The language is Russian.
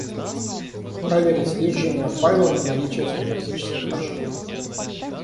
Проверит содержимое файла на наличие синтаксических ошибок